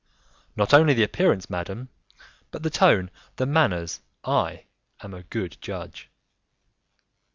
"Not only the appearance, madam, but the tone, the manners; I am a good judge."